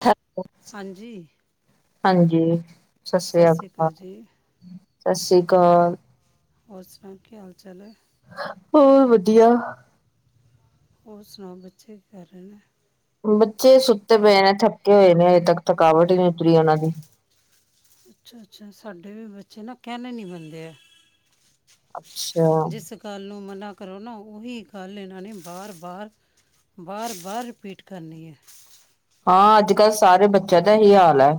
[unintelligible] ਹਾਂਜੀ ਹਾਂਜੀ, ਸਸ ਸਤਿ ਸ੍ਰੀਆ ਸ਼੍ਰੀ ਕਾਲ। ਅਕਾਲ ਜੀ ਸਸੀ ਕਾਲ। ਹੋਰ ਸੁਨਾ, ਕੀ ਹਾਲ- ਚਾਲ ਐ? [unintelligible] ਵਧੀਆ। ਹੋਰ ਸੁਨਾਓ, ਬੱਚੇ ਕੀ ਕਰ ਰਏ ਨੇ? ਬੱਚੇ, ਸੁੱਤੇ ਪਏ ਨੇ, ਥੱਕੇ ਹੋਏ ਨੇ, ਅਜੇ ਤੱਕ ਥਕਾਵਟ ਈ ਨੀ ਉਤਰੀ ਓਨਾਂ ਦੀ। ਅੱਛਾ-ਅੱਛਾ ਸਾਡੇ ਵੀ ਬੱਚੇ ਨਾ, ਕੇਨੇ ਨੀ ਮੰਨਦੇ ਅੱਛਾ ਜਿਸ ਗੱਲ ਨੂੰ ਮਨਾ ਕਰੋ ਨਾ, ਓਹੀ ਗੱਲ ਏਨਾਂ ਨੇ ਬਾਰ- ਬਾਰ ਬਾਰ-ਬਾਰ, ਰਿਪੀਟ ਕਰਨੀ ਐ। ਹਾਂ, ਅੱਜ- ਕੱਲ੍ਹ ਸਾਰੇ ਬੱਚੇਆਂ ਦਾ ਏਈ ਹਾਲ ਐ।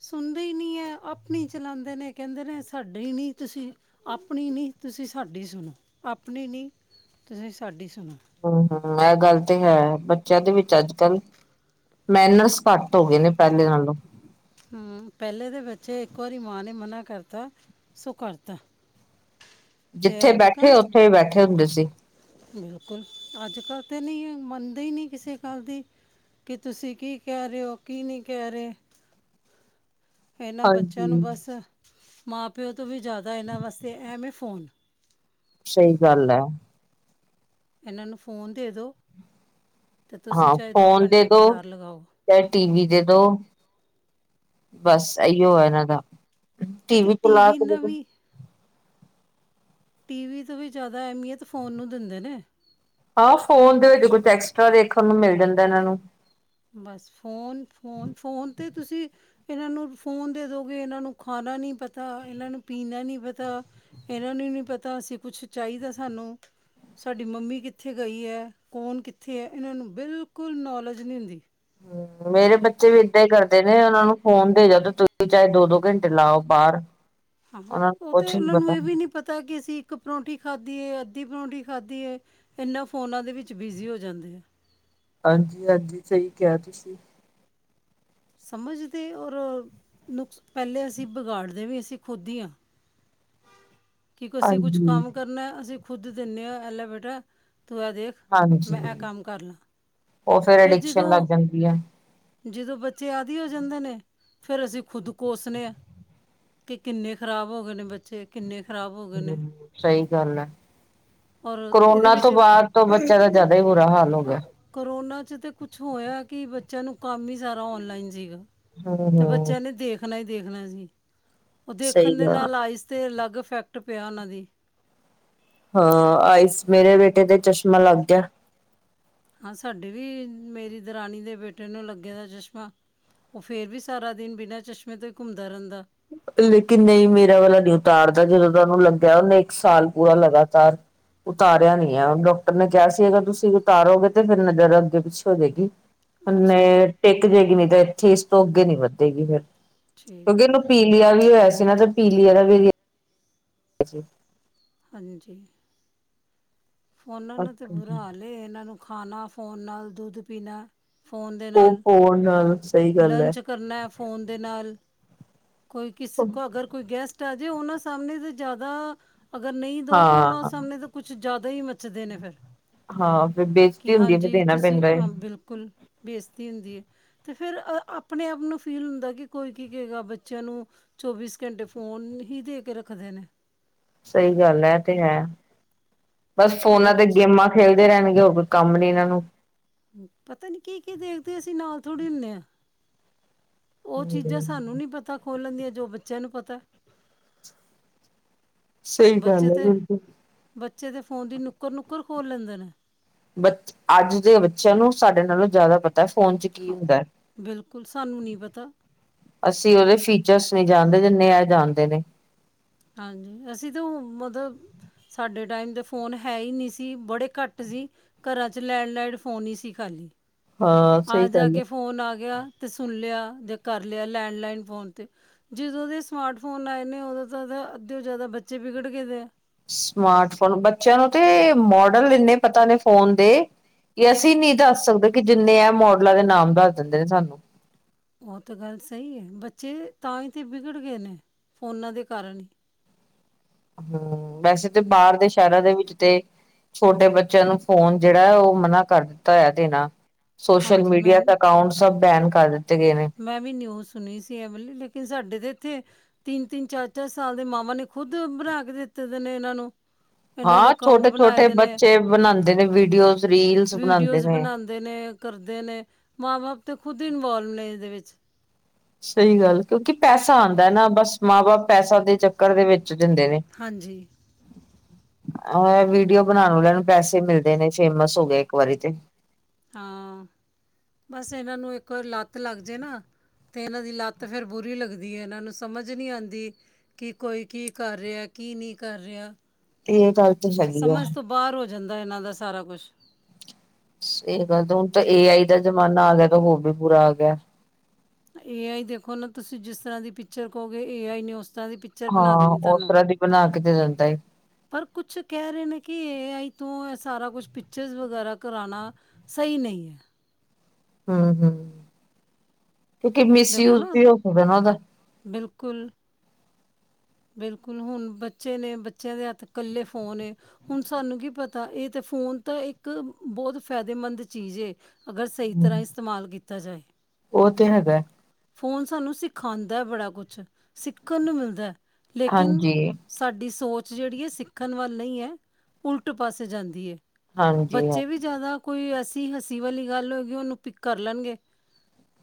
ਸੁਨਦੇ ਈ ਨੀ ਐ, ਆਪਨੀ ਚਲਾਂਦੇ ਨੇ, ਕੇਂਦੇ ਨੇ ਸਾਡੇ ਈ ਨੀ, ਤੁਸੀਂ ਆਪਨੀ ਨੀ, ਤੁਸੀਂ ਸਾਡੀ ਸੁਣੋ, ਆਪਨੀ ਨੀ ਤੁਸੀ ਸਾਡੀ ਸੁਣੋ। ਹੂੰ -ਹੂੰ ਐ ਗੱਲ ਤੇ ਹੈ, ਬੱਚੇਆਂ ਦੇ ਵਿੱਚ ਅੱਜ -ਕੱਲ੍ਹ ਮੈਨਰਸ ਘੱਟ ਹੋ ਗੇ ਨੇ, ਪੈਲੇ ਨਾਲੋਂ। ਹੂੰ, ਪੈਲੇ ਦੇ ਬੱਚੇ, ਇੱਕ ਵਾਰੀ ਮਾਂ ਨੇ ਮਨਾ ਕਰ ਤਾ, ਸੋ ਕਰ ਤਾ। [inaudible] ਜਿੱਥੇ ਬੈਠੇ, ਓਥੇ ਬੈਠੇ ਹੁੰਦੇ ਸੀ। ਬਿਲਕੁਲ, ਅੱਜ -ਕੱਲ੍ਹ ਤੇ ਨਈ ਮੰਨਦੇ ਈ ਨੀ ਕਿਸੇ ਗੱਲ ਦੀ ਕਿ ਤੁਸੀਂ ਕੀ ਕੇਹ ਰਏ ਓ? ਕੀ ਨਈ ਕੇਹ ਰਏ ਏਨਾਂ ਬੱਚੇਆਂ ਨੂੰ ਹਾਂਜੀ, ਬਸ, ਮਾਂ- ਪਿਓ ਤੋਂ ਵੀ ਜਾਦਾ ਇਨਾਂ ਵਾਸਤੇ ਐ ਮੇ ਫੋਨ ਸਈ ਗੱਲ ਐ। ਇਨਾਂ ਨੂੰ ਫੋਨ ਦੇਦੋ, ਤੇ ਤੁਸੀ ਚਾਏ ਦੋ ਘੰਟੇ ਬਜਾਰ ਲਗਾਓ। ਫੇਰ ਟੀਵੀ ਦੇ ਦੋ, ਬਸ ਏਈਓ ਐ ਏਨਾਂ ਦਾ। ਅਤੇ ਟੀਵੀ ਚਲਾ ਕੇ ਦੇ ਨਾਲ ਦੋ ਵੀ ਟੀਵੀ ਤੋਂ ਵੀ, ਜਾਦਾ ਐਹਮੀਅਤ ਫੋਨ ਨੂੰ ਦੇਂਦੇ ਨੇ। ਹਾਂ, ਫੋਨ ਦੇ ਵਿੱਚ ਕੁਛ ਐਕਸਟਰਾ ਦੇਖਨ ਨੂੰ ਮਿਲ ਜਾਂਦਾ ਇਨਾਂ ਨੂੰ ਬਸ ਫੋਨ -ਫੋਨ, ਫੋਨ ਤੇ ਤੁਸੀ ਏਨਾਂ ਨੂੰ ਫੋਨ ਦੇ ਦੋਗੇ, ਇਨਾਂ ਨੂੰ ਖਾਨਾ ਨੀਂ ਪਤਾ ਇਨਾਂ ਨੂੰ ਪੀਨਾ ਨੀਂ ਪਤਾ ਏਨਾਂ ਨੂੰ ਨੀ, ਪਤਾ ਅਸੀ ਕੁਛ ਚਾਈਦਾ ਸਾਨੂੰ। ਸਾਡੀ ਮੰਮੀ ਕਿੱਥੇ ਗਈ ਐ? ਕੌਣ ਕਿੱਥੇ ਐ? ਇਨਾਂ ਨੂੰ ਬਿਲਕੁਲ ਨੌਲੇਜ ਨੀ ਹੁੰਦੀ। ਮੇਰੇ ਬੱਚੇ ਵੀ ਏਦਾਂ ਈ ਕਰਦੇ ਨੇ, ਉਨਾਂ ਨੂੰ ਫੋਨ ਦੇ ਜਾਓ ਤੇ ਤੁਸੀਂ ਚਾਏ ਦੋ- ਦੋ ਘੰਟੇ ਲਾਓ ਬਾਰ। ਹਾਂ, ਓ ਤੇ ਉਨਾਂ ਨੂੰ ਏਹ ਵੀ ਨੀ ਪਤਾ ਕਿ ਅਸੀਂ ਇੱਕ ਪਰੌਂਠੀ ਖਾਦੀ ਏ, ਅੱਦੀ ਪਰੌਂਠੀ ਖਾਦੀ ਏ, ਇਨਾਂ ਫੋਨਾਂ ਦੇ ਵਿੱਚ ਬਿਜ਼ੀ ਹੋ ਜਾਂਦੇ ਐ। ਹਾਂਜੀ-ਹਾਂਜੀ, ਸਈ ਕੇਆ ਤੁਸੀ ਸਮਜਦੇ ਔਰ ਨੁਕਸ, ਪੈਲੇ ਅਸੀਂ ਬਗਾੜਦੇ ਵੀ ਅਸੀਂ ਖੁਦ ਈ ਆਂ। ਕਿ ਅਸੀਂ ਕੁਛ ਹਾਂਜੀ ਕੰਮ ਕਰਨਾ ਅਸੀਂ ਖੁਦ ਦੇਂਨੇ ਆ, ਐਲੇ ਬੇਟਾ ਤੂੰ ਐ ਦੇਖ ਮੈਂ ਐ ਕੰਮ ਕਰ ਲਾਂ। ਓ ਫੇਰ ਫਿਰ ਅਡਿਕਸ਼ਨ ਲੱਗ ਜਦੋਂ ਜਾਂਦੀ ਐ ਜਦੋਂ ਬੱਚੇ ਆਦਿ ਹੋ ਜਾਂਦੇ ਨੇ, ਫੇਰ ਅਸੀਂ ਖੁਦ ਕੋਸਨੇ ਆ ਕੇ ਕਿੰਨੇ ਖਰਾਬ ਹੋ ਗੇ ਨੇ ਬੱਚੇ ਕਿੰਨੇ ਖਰਾਬ ਹੋ ਗਏ ਨੇ ਹੂੰ, ਸਈ ਗਾੱਲ ਏ। ਔਰ ਇਹਦੇ ਕਰੋਨਾ ਵਿੱਚ ਤੋਂ ਬਾਦ ਅ, ਤੋ ਬੱਚੇਆਂ ਦਾ ਜਾਦਾ ਈ ਬੁਰਾ ਹਾਲ ਹੋ ਗੇਆ ਕਰੋਨਾ 'ਚ ਤੇ ਕੁਛ ਹੋਏਆ ਕਿ ਬੱਚੇਆਂ ਨੂੰ ਕਾੰਮ ਈ ਸਾਰਾ ਔਨਲਾਈਨ ਸੀਗਾ ਹਮ ਤੇ ਹਮ ਬੱਚੇਆਂ ਨੇ ਦੇਖਨਾ ਈ ਦੇਖਨਾ ਏ ਜੀ, ਓ ਸਹੀ ਦੇਖਨ ਦੇ ਗੱਲ ਨਾਲ ਆਈਸ ਤੇ ਅਲੱਗ ਇਫੈਕਟ ਪਿਆ ਉਨਾਂ ਦੀ ਹਾਂ, ਆਈਸ ਮੇਰੇ ਬੇਟੇ ਤੇ ਚਸ਼ਮਾ ਲਾੱਗ ਗੇਆ ਹਾਂ ਸਾਡੇ ਵੀ, ਮੇਰੀ ਦਰਾਨੀ ਦੇ ਬੇਟੇ ਨੂੰ ਲੱਗੇਆ ਦਾ ਚਸ਼ਮਾ ਓ ਫੇਰ ਵੀ ਸਾਰਾ ਦਿਨ ਬਿਨਾਂ ਚਸ਼ਮੇ ਤੋਂ ਈ ਘੁੰਮਦਾ ਰੇਂਦਾ ਲੇਕਿਨ ਨਈ ਮੇਰਾ ਵਾਲਾ ਨੀ ਉਤਾਰਦਾ ਜਦੋਂ ਦਾ ਓਨੁ ਲੱਗਾ ਓਨੇ ਏਕ ਸਾਲ ਪੂਰਾ ਲਗਾਤਾਰ ਉਤਾਰੇਆ ਨੀ ਆ ਡੋਕਟਰ ਨੇ ਕੇਯਾ ਸੀ ਅਗਰ ਤੁਸੀਂ ਉਤਾਰੋਗੇ ਤੇ ਫੇਰ ਨਜ਼ਰ ਅੱਗੇ-ਪਿੱਛੇ ਹੋ ਜੇਗੀ। ਹੁੰਨ ਅੱਛਾ ਏ ਟੇੱਕ ਜੇਗੀ ਨੀ ਤੇ ਏਥੇ ਏਸ ਤੋਂ ਅੱਗੇ ਨੀ ਵੱਧੇਗੀ ਫੇਰ ਠੀਕ ਏ। ਪੀਲਿਆ ਵੀ ਹੋਏਆ ਸੀ ਨਾ ਤੇ ਪੀਲੀਯਾ ਦਾ ਵੀ ਜੀ। ਹਾਂਜੀ। ਫੋਨਾਂ ਨੇ ਤੇ ਅੱਛਾ ਬੁਰਾ ਜੀ। ਹਾਲ ਏ ਏਨਾਂ ਨੂੰ ਖਾਨਾ ਫ਼ੋਨ ਨਾਲ ਦੁੱਧ ਪੀਨੈ ਓ ਫੋਨ ਨਾਲੋ ਲੰਚ ਕਰਨੈ ਫੋਨ ਦੇ ਨਾਲ, ਕੋਈ ਕਿਸੇ ਕੋ ਅਗਰ ਕੋਈ ਗੈਸਟ ਆ ਜੇ ਓਨਾਂ ਸਾਮਨੇ ਤੇ ਜਾਦਾ ਅਗਰ ਨਈ ਦਓ ਤੋ ਓਨਾਂ ਹਾਂ। ਸਾਮਨੇ ਤੇ ਕੁਛ ਜਾਦਾ ਈ ਮੱਚਦੇ ਨੇ ਫੇਰ। ਹਾਂ ਫਿਰ ਕਿ ਬੇਜਤੀ ਹੁੰਦੀ ਹੈ ਫਿਰ ਹਾਂਜੀ ਦੇਣਾ ਤੁਸੀਂ ਪੈਂਦਾ ਹੈ ਆਂ, ਬਿਲਕੁਲ ਬੇਸਤੀ ਹੁੰਦੀ ਏ। ਤੇ ਫੇਰ ਅ, ਆਪਨੇ ਆਪ ਨੂੰ ਫੀਲ ਹੁੰਦੈ ਕਿ ਕੋਈ ਕੀ ਕਏਗਾ ਬੱਚੇਆਂ ਨੂੰ। ਚੌਬੀਸ ਘੰਟੇ ਫੋਨ, ਹੀ ਦੇ ਕੇ ਰੱਖਦੇ ਨੇ। ਸਈ ਗਾੱਲ ਐ ਤੇ ਹੈ, ਬਸ ਫੋਨਾਂ ਤੇ ਗੇਮਾਂ ਖੇਲਦੇ ਰੈਨਗੇ ਹੋਰ ਕੋਈ ਕਾੰਮ ਨੀ ਏਨਾਂ ਨੂੰ। ਹੂੰ, ਪਤਾ ਨੀ ਕੀ-ਕੀ ਦੇਖਦੇ ਅਸੀ ਨਾਲ ਥੋੜੀ ਹੁੰਨੇ ਆਂ। ਓ ਚੀਜਾ ਸਾਨੂੰ ਨੀ ਪਤਾ ਖੋਲਨ ਦੀਆਂ ਜੋ ਬੱਚੇਆ ਨੂੰ ਪਤਾ। ਸਹੀ ਬੱਚੇ ਗੱਲ ਹੈ ਤੇ, ਬਿਲਕੁਲ। ਬੱਚੇ ਤੇ ਫੋਨ ਦੀ ਨੁੱਕਰ-ਨੁੱਕਰ ਖੋਲ੍ਹ ਲੈਂਦੇ ਨੇ। ਬੱਚ ਆੱਜ ਦੇ ਬੱਚੇਆਂ ਨੂੰ ਸਾਡੇ ਨਾਲੋਂ ਜਾਦਾ ਪ ਤਾ ਫੋਨ ਚ ਕੀ ਹਾਂ ਹੁੰਦੈ। ਬਿਲਕੁਲ ਸਾਨੂੰ ਨਹੀਂ ਪਤਾ ਅਸੀ ਓਦੇ ਫੀਚਰਸ ਨੀ ਜਾਨਦੇ ਜਿੰਨੇ ਐ ਜਾਨਦੇ ਨੇ। ਹਾਂਜੀ, ਅਸੀਂ ਤੋ ਮਤਬ ਸਾਡੇ ਟਾਈਮ ਤੇ ਫੋਨ ਹੈ ਈ ਨਈ ਸੀ, ਬੜੇ ਘਾੱਟ ਸੀ। ਘਰਾਂ 'ਚ ਲੈਂੜਲਾਈੜ ਫ਼ੋਨ ਈ ਸੀ ਖਾੱਲੀ। ਹਾਂ ਸਹੀ ਆ-ਜਾ ਗੱਲ ਹੈ। ਕੇ ਫੋਨ ਆ ਗੇਆ, ਤੇ ਸੁਨ ਲੇਆ ਜਾ ਕਾਰ ਲੇਆ ਲੈਂਨਲਈਨ ਫੋਨ ਤੇ। ਜਿਦੋਂ ਦੇ ਸਮਾਟ ਫੋਨ ਆਏ ਨੇ ਓਦੋ ਦਾ ਤਾਂ, ਅੱਦੇ ਓ ਜਾਦਾ ਬੱਚੇ ਵਿਗੜ ਗਏ ਦੇ। ਸਮਾਰਟਫੋਨ ਬੱਚੇਆਂ ਨੂੰ ਤੇ, ਮੋੜਲ ਇੰਨੇ ਪਤਾ ਨੇ ਫੋਨ ਦੇ ਕੀ ਅਸੀਂ ਨੀ ਦਾੱਸ ਸਕਦੇ ਕੀ ਜਿੰਨੇ ਐ ਮੋਡਲਾਂ ਦੇ ਨਾਮ ਦਾੱਸ ਦਿੰਦੇ ਨੇ ਸਾਨੂੰ। ਓ ਤਾਤੇ ਗਾੱਲ ਸਈ ਏ ਬੱਚੇ, ਤਾਂ ਈ ਤੇ ਬਿਗੜ ਗੇ ਨੇ ਫੋਨਾਂ ਦੇ ਕਾਰਨ ਈ। ਹੂੰ, ਵੈਸੇ ਤੇ ਬਾਰ ਦੇ ਸੈ਼ਰਾਂ ਦੇ ਵਿੱਚ ਤੇ ਛੋਟੇ ਬੱਚੇਆਂ ਨੂੰ ਫੋਨ ਜੇੜਾ ਯਾ ਓ ਮਨਾ ਕਾਰ ਦਿੱਤਾ ਹੋਏਆ ਦੇਨਾ। ਸੋਸ਼ਲ ਹਾਂਜੀ ਮੈਂ ਮੀਡੀਆ ਤੇ ਅਕਾਊਂਟ ਸਬ ਬੈਨ ਕਰ ਦਿੱਤੇ ਗਏ ਨੇ। ਮੈਂ ਵੀ ਨਿਊਜ਼ ਸੁਣੀ ਸੀ ਐ ਵਾਲੀ ਲੇਕਿਨ ਸਾਡੇ ਤੇ ਇੱਥੇ ਤਿੰਨ-ਤਿੰਨ, ਚਾਰ-ਚਾਰ ਸਾਲ ਦੇ ਮਾਵਾਂ ਨੇ ਖੁੱਦ ਬਣਾ ਕੇ ਦਿੱਤੇ ਨੇ ਇਹਨਾਂ ਨੂੰ। ਇਹਨਾਂ ਦੇ ਹਾਂ ਅਕਾਊਂਟ ਬਣਾਏ ਛੋਟੇ-ਛੋਟੇ ਦੇ ਨੇ ਬੱਚੇ ਬਣਾਉਂਦੇ ਨੇ ਵੀਡੀਓਜ਼, ਰੀਲਸ ਬਣਾਉਂਦੇ ਨੇ। ਨੇ ਕਰਦੇ ਨੇ ਮਾਂ ਬਾਪ ਤੇ ਖੁਦ ਹੀ ਇਨਵੋਲਵ ਨੇ ਇਹਦੇ ਵਿੱਚ। ਸਹੀ ਗੱਲ ਕਿਉਂਕਿ ਪੈਸਾ ਆਂਦਾ ਨਾ ਬਸ ਮਾਂ ਬਾਪ ਪੈਸਾ ਦੇ ਚੱਕਰ ਦੇ ਵਿੱਚ ਦਿੰਦੇ ਨੇ। ਹਾਂਜੀ ਆ ਵੀਡੀਓ ਬਣਾਉਣ ਵਾਲਿਆਂ ਨੂੰ ਪੈਸੇ ਮਿਲਦੇ ਨੇ ਫੇਮਸ ਹੋ ਗਏ ਇੱਕ ਵਾਰੀ ਤੇ। ਹਾਂ ਬਸ ਇਹਨਾਂ ਨੂੰ ਇੱਕ ਵਾਰ ਲੱਤ ਲੱਗ ਜੇ ਨਾ ਤੇ ਇਹਨਾਂ ਦੀ ਲੱਤ ਫਿਰ ਬੁਰੀ ਲੱਗਦੀ ਹੈ ਇਹਨਾਂ ਨੂੰ ਸਮਝ ਨੀ ਆਉਂਦੀ। ਕਿ ਕੋਈ ਕੀ ਕਰ ਰਿਹਾ ਕੀ ਨੀ ਕਰ ਰਿਹਾ। ਤੇ ਇਹ ਗੱਲ ਤਾਂ ਸਹੀ ਹੈ। ਬਾਰ ਹੋ ਜਾਂਦਾ ਇਹਨਾਂ ਦਾ ਸਾਰਾ ਕੁਛ। ਸਹੀ ਗੱਲ ਤੇ ਹੁਣ ਤਾਂ ਏ ਆਈ ਦਾ ਜਮਾਨਾ ਆ ਗਿਆ ਤਾਂ ਹੋਰ ਵੀ ਬੂਰਾ ਆ ਗਿਆ। ਏ ਆਈ ਦੇਖੋ ਨਾ ਤੁਸੀਂ ਜਿਸਰ੍ਹਾਂ ਦੀ ਪਿਕਚਰ ਕਹੋਗੇ ਏ ਆਈ ਨੇ ਉਸਰ੍ਹਾਂ ਦੀ ਪਿਕ ਹਾਂ ਉਸਰ੍ਹਾਂ ਦੀ ਬਣਾ ਕੇ ਦੇ ਦੇਂਦਾ ਏ। ਪਰ ਕੁਛ ਕਹਿ ਰਹੇ ਨੇ ਕਿ ਏ ਆਈ ਤੋਂ ਇਹ ਸਾਰਾ ਕੁਛ ਪਿਕਚਰ ਵਗੈਰਾ ਕਰਾਉਣਾ ਸਹੀ ਨਈ ਹੈ। ਹਾਂ-ਹਾਂ ਕਿਉਂਕਿ ਦੇਖੋ ਮਿਸਯੂਜ ਨਾ ਵੀ ਹੋ [unintelligible] ਉਹਨਾਂ ਦਾ। ਬਿਲਕੁਲ ਬਿਲਕੁਲ ਹੁਣ ਬੱਚੇ ਨੇ ਬੱਚਿਆਂ ਦੇ ਹੱਥ ਕੱਲੇ ਫੋਨ ਏ। ਹੁਣ ਸਾਨੂੰ ਕੀ ਪਤਾ ਇਹ ਤਾਂ ਫੋਨ ਤਾਂ ਇੱਕ ਬੌਤ ਫਾਇਦੇਮੰਦ ਚੀਜ਼ ਏ। ਅਗਰ ਸਹੀ ਤਰ੍ਹਾਂ ਇਸਤੇਮਾਲ ਕੀਤਾ ਜਾਏ। ਉਹ ਤੇ ਹੈਗਾ। ਫੋਨ ਸਾਨੂੰ ਸਿਖਾਉਦਾ ਬੜਾ ਕੁਛ, ਸਿੱਖਣ ਨੂੰ ਮਿਲਦਾ ਲੇਕਿਨ ਹਾਂਜੀ ਸਾਡੀ ਸੋਚ ਜਿਹੜੀ ਹੈ ਸਿੱਖਣ ਵੱਲ ਨਈ ਹੈ ਉਲਟ ਪਾਸੇ ਜਾਂਦੀ ਏ। ਹਾਂਜੀ ਹਾਂ ਬੱਚੇ ਵੀ ਜਾਦਾ ਕੋਈ ਐਸੀ ਹਸੀ ਵਾਲੀ ਗੱਲ ਹੋਏਗੀ ਉਹਨੂੰ ਪਿੱਕ ਕਰ ਲੈਣਗੇ।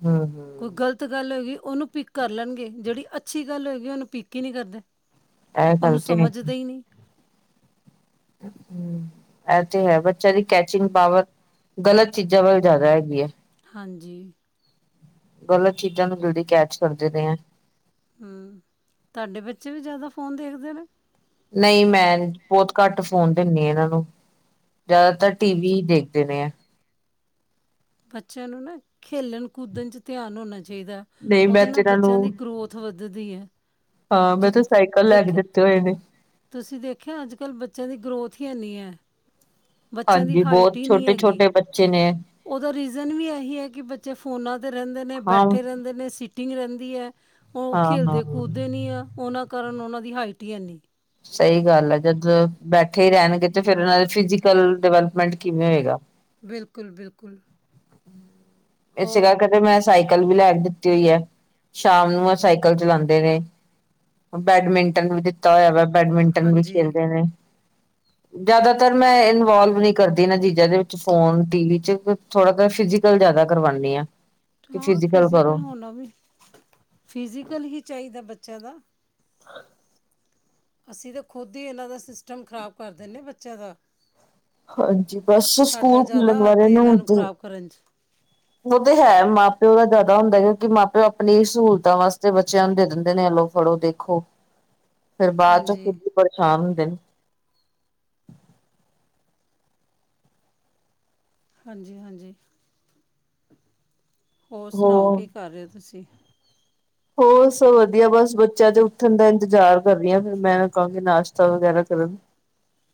ਹਮ ਕੋਈ ਹਮ ਗ਼ਲਤ ਗੱਲ ਹੋਏਗੀ ਉਹਨੂੰ ਪਿੱਕ ਕਰ ਲੈਣਗੇ ਜਿਹੜੀ ਅੱਛੀ ਗੱਲ ਹੋਏਗੀ ਉਹਨੂੰ ਪਿੱਕ ਕੀ ਨੀ ਕਰਦੇ ਇਹ ਗੱਲ ਉਹਨੂੰ ਤੇ ਸਮਝਦੇ ਹੀ ਨਈ। ਹੂੰ ਇਹ ਤੇ ਹੈ ਬੱਚਿਆ ਦੀ ਕੈਚਿੰਗ ਪਾਵਰ ਗ਼ਲਤ ਚੀਜ਼ਾਂ ਵੱਲ ਜਾਦਾ ਹੈਗੀ ਹੈ। ਹਾਂਜੀ ਗ਼ਲਤ ਚੀਜ਼ਾਂ ਨੂੰ ਜਿਲਦੀ ਕੈਚ ਕਰਦੇ ਨੇ ਏਹ। ਹੂੰ ਤੁਹਾਡੇ ਬੱਚੇ ਵੀ ਜਾਦਾ ਫੋਨ ਦੇਖਦੇ ਨੇ? ਨਈ ਮੈਂ ਬੌਤ ਘੱਟ ਫੋਨ ਦਿੰਨੀ ਆ ਇਹਨਾਂ ਨੂੰ। ਜ਼ਿਆਦਾਤਰ ਟੀ ਵੀ ਹੀ ਦੇਖਦੇ ਨੇ ਏਹ। ਬੱਚਿਆਂ ਨੂੰ ਨਾ ਖੇਲਣ ਕੂਦਣ ਚ ਧਿਆਨ ਹੋਣਾ ਚਾਹੀਦਾ ਨਹੀਂ ਮੈਂ ਉਹਦੇ ਤੇ ਨਾਲ ਇਹਨਾਂ ਨੂੰ ਬੱਚਿਆਂ ਦੀ ਗਰੋਥ ਵਧਦੀ ਹੈ। ਹਾਂ ਮੈਂ ਜਿੱਦ ਤੇ ਸਾਈਕਲ ਲੈ ਕੇ ਦੇਖ ਦਿੱਤੇ ਹੋਏ ਨੇ। ਤੁਸੀਂ ਦੇਖਿਆ ਅੱਜ ਕੱਲ੍ਹ ਬੱਚਿਆਂ ਦੀ ਗਰੋਥ ਹੀ ਹੈਨੀ ਹੈ। ਬੱਚਿਆਂ ਦੀ ਹਾਂਜੀ ਹਾਈਟ ਬਹੁਤ ਹੀ ਨੀ ਹੈਗੀ। ਛੋਟੇ-ਛੋਟੇ ਬੱਚੇ ਨੇ ਉਹਦਾ ਰੀਜ਼ਨ ਵੀ ਇਹੀ ਹੈ ਕਿ ਬੱਚੇ ਫੋਨਾਂ ਤੇ ਰਹਿੰਦੇ ਨੇ, ਹਾਂ, ਬੈਠੇ ਰਹਿੰਦੇ ਨੇ ਸੀ ਟਿੰਗ ਰਹਿੰਦੀ ਹੈ ਉਹ ਖੇਡਦੇ ਹਾਂ-ਹਾਂ। ਕੂਦਦੇ ਨੀ ਆ ਉਹਨਾਂ ਕਾਰਨ ਉਹਨਾਂ ਦੀ ਹਾਈਟ ਹੀ ਹੈ ਨੀ। ਸਹੀ ਗੱਲ ਆ ਜਦ ਬੈਠੇ ਹੀ ਰਹਿਣਗੇ ਤੇ ਫੇਰ ਉਹਨਾਂ ਦੇ ਫਿਜ਼ਕਲ ਡਿਵੈਲਪਮੈਂਟ ਕਿਵੇਂ ਹੋਏਗਾ। ਬਿਲਕੁਲ-ਬਿਲਕੁਲ ਇਸੇ ਕਰਕੇ ਤੇ ਮੈਂ ਸਾਈਕਲ ਵੀ ਲੈ ਕੇ ਦਿੱਤੀ ਹੋਈ ਹੈ ਸ਼ਾਮ ਨੂੰ ਸਾਈਕਲ ਚਲਾਂਦੇ ਨੇ। ਬੈਡਮਿੰਟਨ ਵੀ ਦਿੱਤਾ ਹੋਇਆ ਵਾ ਬੈਡਮਿੰਟਨ ਵੀ ਹਾਂਜੀ ਖੇਲਦੇ ਨੇ। ਜਾਦਾਤਰ ਮੈਂ ਇਨਵੋਲਵ ਨੀ ਕਰਦੀ ਇਹਨਾਂ ਚੀਜ਼ਾਂ ਦੇ ਵਿੱਚ ਫੋਨ ਟੀ ਵੀ 'ਚ ਥੋੜਾ ਤਾਂ ਫਿਜ਼ਕਲ ਜਾਦਾ ਕਰਵਾਣੀ ਆ। ਕਿ ਹਾਂ ਫਿਜ਼ੀਕਲ ਕਰੋ ਫਿਜੀਕਲ ਹੋਣਾ ਵੀ ਫਿਜ਼ੀਕਲ ਹੀ ਚਾਹੀਦਾ ਬੱਚਿਆਂ ਦਾ ਅਸੀ ਤਾਂ ਖੁਦ ਹੀ ਇਹਨਾਂ ਦਾ ਸਿਸਟਮ ਖਰਾਬ ਕਰ ਦਿੰਦੇ ਬੱਚਿਆਂ ਦਾ ਹਾਂਜੀ ਬਸ ਸਾਡਾ ਸਕੂਲ ਜਾਦਾ ਖੁੱਲਣ ਹੱਥ ਵਾਲੇ ਇਹਨਾਂ ਨੂੰ ਖ਼ਰਾਬ ਕਰਨ 'ਚ ਓ ਤੇ ਹੈ ਮਾਂ ਪਿਓ ਦਾ ਜਾਦਾ ਹੁੰਦਾ ਕਿਉਂਕਿ ਮਾਂ ਪਿਓ ਆਪਣੀ ਸਹੂਲਤਾਂ ਵਾਸਤੇ ਬੱਚਿਆਂ ਨੂੰ ਦੇ ਦਿੰਦੇ ਐ ਲੋ। ਪੜੋ ਦੇਖੋ। ?? ਫਿਰ ਬਾਦ 'ਚ ਫਿਰ ਵੀ ਪਰੇਸ਼ਾਨ ਹੁੰਦੇ ਨੇ। ਹਾਂਜੀ-ਹਾਂਜੀ ਹੋਰ ਸੁਣਾਓ ਕੀ ਕਰ ਰਏ ਹੋ ਤੁਸੀਂ ਹੋਰ ਸਭ ਵਧੀਆ ਬਸ ਬੱਚਿਆਂ 'ਚ ਉੱਠਣ ਦਾ ਇੰਤਜ਼ਾਰ ਕਰ ਰੀ ਹਾਂ ਫਿਰ ਮੈਂ ਕਹਾਂਗੀ ਨਾਸ਼ਤਾ ਵਗੈਰਾ ਕਰਨ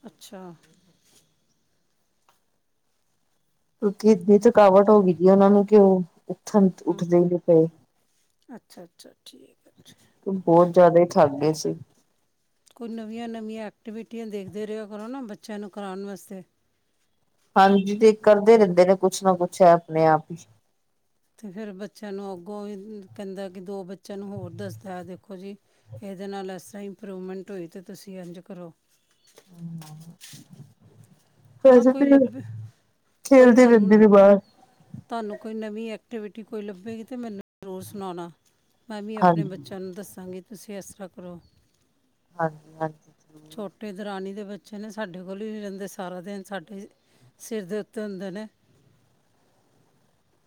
ਅੱਛਾ ਕਿਉਂਕਿ ਇਤਨੀ ਥਕਾਵਟ ਹੋ ਗਈ ਉਹਨਾ ਨੂੰ ਕਿ ਓ ਹੂੰ ਅੱਛਾ-ਅੱਛਾ ਠੀਕ ਹੈ ਜੀ। ਬੋਤ ਜੈਦਾ ਹੀ ਠੱਗ ਗਏ ਸੀ। ਕੋਈ ਨਵੀਆਂ-ਨਵੀਆਂ ਐਕਟੀਵਿਟੀਆਂ ਦੇਖਦੇ ਰਿਆ ਕਰੋ ਨਾ ਬੱਚਿਆਂ ਨੂੰ ਕਰਾਣ ਵਾਸਤੇ ਹਾਂਜੀ ਤੇ ਕਰਦੇ ਰੈਦੇ ਨੇ ਕੁਛ ਨਾ ਕੁਛ ਹੈ ਆਪਣੇ ਆਪ ਹੀ ਤੇ ਫਿਰ ਬੱਚਿਆਂ ਨੂੰ ਅੱਗੋਂ ਵੀ ਕੈਂਦਾ ਕਿ ਦੋ ਬੱਚਿਆਂ ਨੂੰ ਹੋਰ ਦੱਸਦਾ ਹੈ ਦੇਖੋ ਜੀ। ਇਹਦੇ ਨਾਲ ਇਸ ਤਰ੍ਹਾਂ ਇੰਪਰੂਵਮੈਂਟ ਹੋਈ ਤਾਂ ਤੁਸੀਂ ਇੰਝ ਕਰੋ। ਹਾਂ ਵੈਸੇ ਕੋਈ ਤੇ ਲੱਭੇ ਕੋਈ ਖੇਲਦੇ ਰਹਿੰਦੇ ਤੁਹਾਨੂੰ ਨੇ ਬਾਹਰ। ਤੁਹਾਨੂੰ ਕੋਈ ਨਵੀਂ ਐਕਟੀਵਿਟੀ ਕੋਈ ਲੱਭੇਗੀ ਤਾਂ ਮੈਨੂੰ ਜ਼ਰੂਰ ਸੁਣਾਉਣਾ। ਮੈਂ ਵੀ ਆਪਣੇ ਹਾਂਜੀ, ਬੱਚਿਆਂ ਨੂੰ ਦੱਸਾਂਗੀ ਤੁਸੀਂ ਇਸ ਤਰ੍ਹਾਂ ਕਰੋ। ਹਾਂਜੀ-ਹਾਂਜੀ ਛੋਟੇ ਦਰਾਨੀ ਦੇ ਬੱਚੇ ਨੇ ਸਾਡੇ ਕੋਲ ਹੀ ਨਈ ਰੈਂਦੇ ਸੀ। ਸਾਰਾ ਦਿਨ ਸਾਡੇ ਸਿਰ ਦੇ ਉੱਤੇ ਹੁੰਦੇ ਨੇ।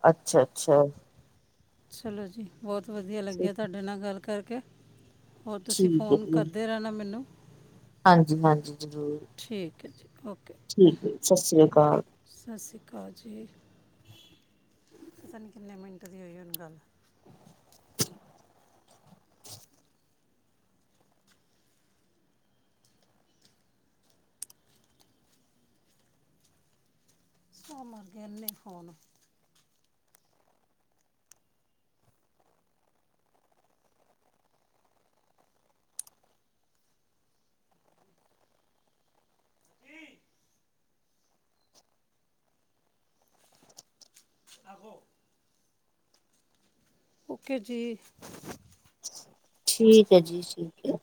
ਅੱਛਾ-ਅੱਛਾ ਚਲੋ ਜੀ ਬੋਤ ਵਧੀਆ ਲੱਗਿਆ ਤੁਹਾਡੇ ਨਾਲ ਗੱਲ ਕਰਕੇ ਹੋਰ ਤੁਸੀ ਠੀਕ ਹੈ ਫੋਨ ਜੀ ਕਰਦੇ ਰੈਂਣਾ ਮੈਨੂੰ ਹਾਂਜੀ, ਹਾਂਜੀ ਜ਼ਰੂਰ ਠੀਕ ਓਕੇ ਜੀ ਓਕੇ ਠੀਕ ਹੈ ਸਤਿ ਸ੍ਰੀ ਅਕਾਲ। ਸਤਿ ਸ਼੍ਰੀ ਅਕਾਲ ਜੀ। ਪਤਾ ਨਈ ਕਿੰਨੇ ਮਿੰਟ ਦੀ ਹੋਈ ਹੁਣ ਗੱਲ ਸੋ ਮਰ ਗਏ ਏਨੇ ਫੋਨ ਜੀ ਆਹੋ ਓਕੇ ਜੀ। ਠੀਕ ਹੈ ਜੀ ਠੀਕ ਹੈ।